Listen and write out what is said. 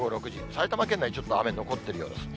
埼玉県内、ちょっと雨残ってるようです。